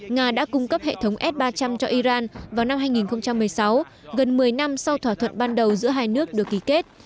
nga đã cung cấp hệ thống s ba trăm linh cho iran vào năm hai nghìn một mươi sáu gần một mươi năm sau thỏa thuận ban đầu giữa hai nước được ký kết